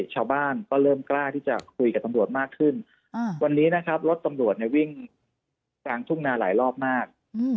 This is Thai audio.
ชาวบ้านก็เริ่มกล้าที่จะคุยกับตำรวจมากขึ้นวันนี้นะครับรถตำรวจวิ่งกลางทุ่งนาหลายรอบมาก